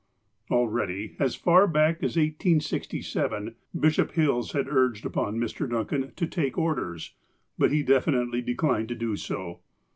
Already, as far back as 1867, Bishop Hills had urged upon Mr. Duncan to take orders. But he definitely de clined to do so.